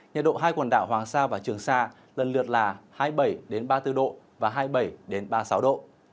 nhiệt độ hai quần đảo hoàng sa và trường sa lần lượt là hai mươi bảy ba mươi bốn độ và hai mươi bảy ba mươi sáu độ